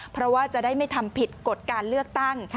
เพราะว่าจะได้ไม่ทำผิดกฎการเลือกตั้ง